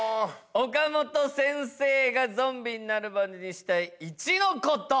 岡本先生がゾンビになるまでにしたい１のこと。